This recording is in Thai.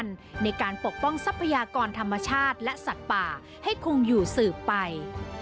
ในการปกป้องทรัพยากรธรรมชาติและสัตว์ป่าให้คงอยู่สืบไป